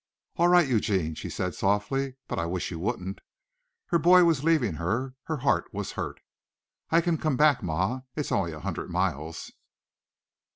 "All right, Eugene," she said softly, "but I wish you wouldn't." Her boy was leaving her her heart was hurt. "I can come back, ma. It's only a hundred miles."